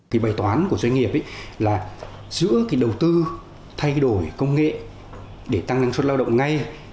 cái bài toán của doanh nghiệp là giữa cái đầu tư thay đổi công nghệ để tăng năng suất lao động ngay